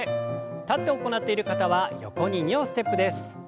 立って行っている方は横に２歩ステップです。